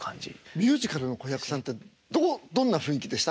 ミュージカルの子役さんってどんな雰囲気でした？